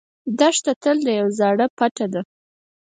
دښته تل د یو راز پټه ده.